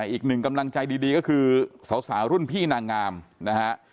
อีกหนึ่งกำลังใจดีก็คือสาวรุ่นพี่นางงามนะฮะ